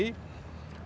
mendapatkan sesuatu ya